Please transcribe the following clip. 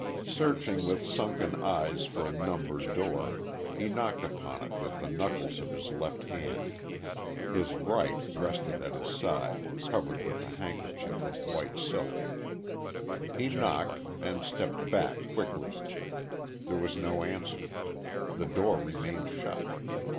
Searching with sunken eyes for a numbered door, he knocked upon it with the knuckles of his left hand; his right rested at his side, covered with a handkerchief of white silk.... He knocked; and stepped back, quickly. There was no answer; the door remained shut.